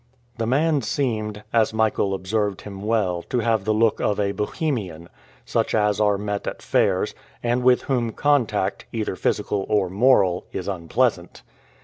The man seemed, as Michael observed him well, to have the look of a Bohemian, such as are met at fairs, and with whom contact, either physical or moral, is unpleasant.